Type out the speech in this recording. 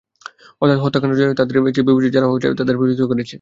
অর্থাৎ হত্যাকাণ্ড যারা ঘটিয়েছে, তাদের চেয়েও বিপজ্জনক হলো যারা তাদের প্ররোচিত করেছে।